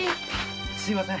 すみません